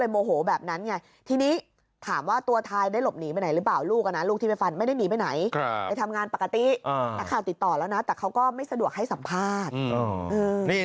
แม่ไปเล่าให้ลูกฟังอย่างไรก่อน